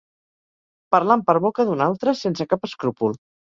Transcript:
Parlant per boca d'un altre sense cap escrúpol.